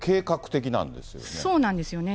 そうなんですよね。